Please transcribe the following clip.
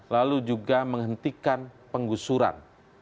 lalu juga menghentikan penggusuran